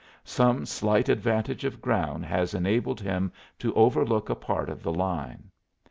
Some slight advantage of ground has enabled him to overlook a part of the line.